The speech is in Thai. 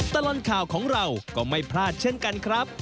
ตลอดข่าวของเราก็ไม่พลาดเช่นกันครับ